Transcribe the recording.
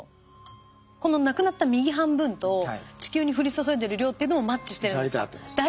このなくなった右半分と地球に降り注いでる量っていうのもマッチしてるんですか？